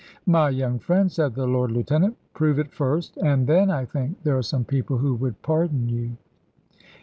"My young friend," said the Lord Lieutenant; "prove it first. And then, I think, there are some people who would pardon you."